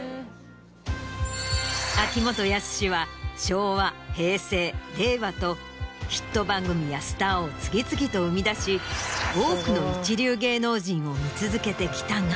秋元康は昭和平成令和とヒット番組やスターを次々と生み出し多くの一流芸能人を見続けてきたが。